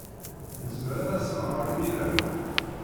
Nezmer ad as-nɣer imir-a?